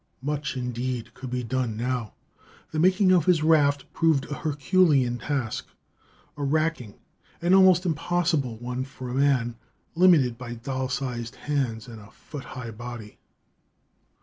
Much indeed could be done now. The making of his raft proved a herculean task, a racking and almost impossible one for a man limited by doll sized hands and a foot high body.